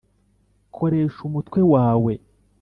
koresha umutwe wawe;